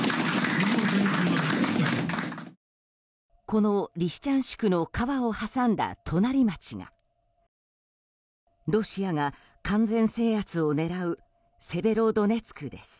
このリシチャンシクの川を挟んだ隣町がロシアが完全制圧を狙うセベロドネツクです。